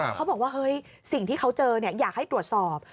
เขาบอกว่าเฮ้ยสิ่งที่เขาเจออยากให้ตรวจสอบ